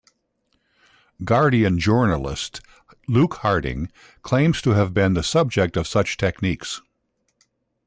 "Guardian" journalist, Luke Harding, claims to have been the subject of such techniques.